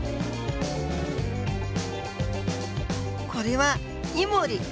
これはイモリ。